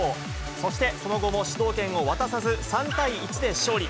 そしてその後も主導権を渡さず、３対１で勝利。